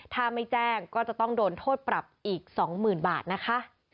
ถ้าไม่แจ้งก็จะต้องโดนโทษปรับอีก๒๐๐๐บาทนะคะ